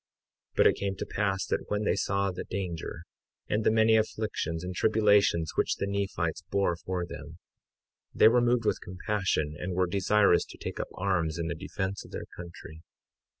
53:13 But it came to pass that when they saw the danger, and the many afflictions and tribulations which the Nephites bore for them, they were moved with compassion and were desirous to take up arms in the defence of their country.